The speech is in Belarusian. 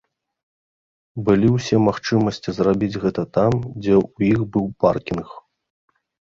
Былі ўсе магчымасці зрабіць гэта там, дзе ў іх быў паркінг.